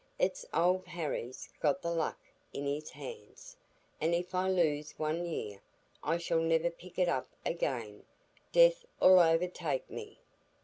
It's Old Harry's got the luck in his hands; and if I lose one year, I shall never pick it up again; death 'ull o'ertake me."